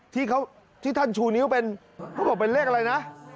ที่ท่านชูนิ้วเป็นเขาบอกเป็นเลขอะไรนะ